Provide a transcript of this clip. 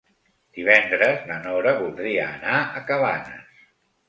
Divendres na Nora voldria anar a Cabanes.